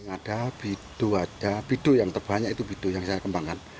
ada bido bido yang terbanyak itu bido yang saya kembangkan